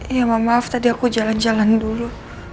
ya mohon maaf tadi aku jalan jalan dulu